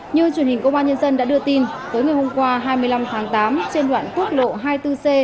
như truyền hình công an nhân dân đã đưa tin tối ngày hôm qua hai mươi năm tháng tám trên đoạn quốc lộ hai mươi bốn c